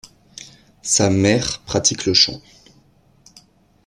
Sa mère pratique le chant.